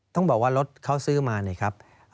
ต้องบอกว่ารถเขาซื้อมา